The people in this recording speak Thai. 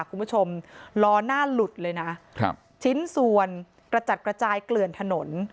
คุณผู้ชมล้อหน้าหลุดเลยนะครับชิ้นส่วนกระจัดกระจายเกลื่อนถนน